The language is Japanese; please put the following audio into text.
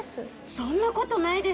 そんなことないです